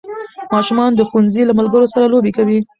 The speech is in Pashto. ماشومان د ښوونځي له ملګرو سره لوبې کوي